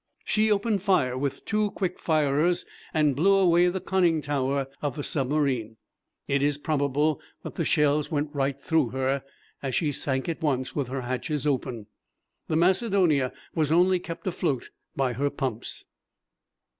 She opened fire with two quick firers and blew away the conning tower of the submarine. It is probable that the shells went right through her, as she sank at once with her hatches open. The Macedonia was only kept afloat by her pumps.